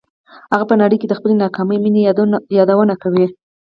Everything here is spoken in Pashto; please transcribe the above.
هغه په نړۍ کې د خپلې ناکامې مینې یادونه کوي